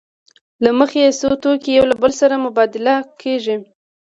له مخې یې څو توکي یو له بل سره مبادله کېږي